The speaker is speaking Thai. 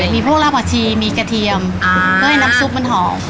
ใช่มีพวกลาป็อตชีมีกระเทียมด้วยให้น้ำซุปมันหอม